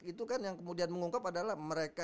itu kan yang kemudian mengungkap adalah mereka